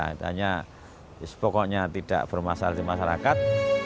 itu hanya pokoknya tidak bermasalah di masyarakat